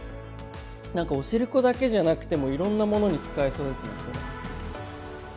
何かおしるこだけじゃなくてもいろんなものに使えそうですねこれ。